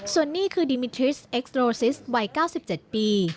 ส่วนนี้คือดิมิทริสเอ็กซโรซิสวัย๙๗ปี